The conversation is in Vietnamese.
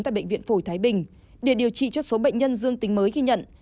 tại bệnh viện phổi thái bình để điều trị cho số bệnh nhân dương tính mới ghi nhận